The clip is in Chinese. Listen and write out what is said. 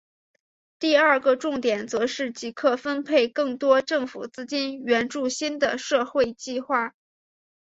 第二个重点则是即刻分配更多政府资金援助新的社会计画。